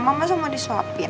aku mau disuapin